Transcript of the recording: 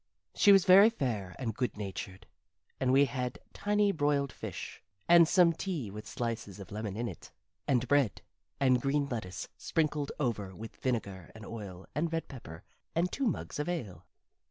She was very fair and good natured and we had tiny broiled fish, and some tea with slices of lemon in it, and bread, and green lettuce sprinkled over with vinegar and oil and red pepper, and two mugs of ale.